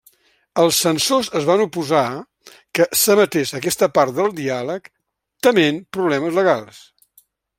Els censors es van oposar que s'emetés aquesta part del diàleg, tement problemes legals.